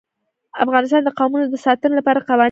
افغانستان د قومونه د ساتنې لپاره قوانین لري.